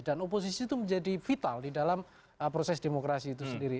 dan oposisi itu menjadi vital di dalam proses demokrasi itu sendiri